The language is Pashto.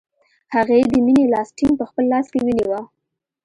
هغې د مینې لاس ټینګ په خپل لاس کې ونیوه